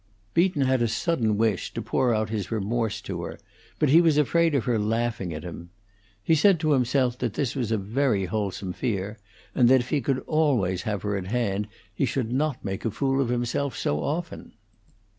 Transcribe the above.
Beaton had a sudden wish to pour out his remorse to her, but he was afraid of her laughing at him. He said to himself that this was a very wholesome fear, and that if he could always have her at hand he should not make a fool of himself so often.